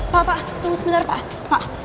pak pak tunggu sebentar pak